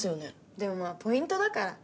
でもまぁポイントだから。